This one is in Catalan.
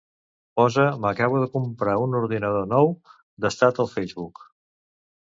Posa "m'acabo de comprar un ordinador nou" d'estat al Facebook.